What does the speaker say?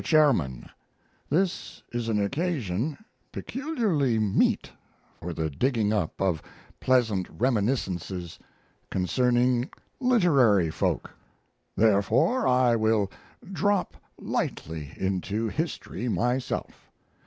CHAIRMAN, This is an occasion peculiarly meet for the digging up of pleasant reminiscences concerning literary folk, therefore I will drop lightly into history myself.